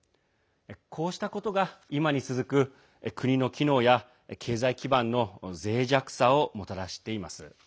こうしたことが今に続く国の機能や経済基盤のぜい弱さをもたらしています。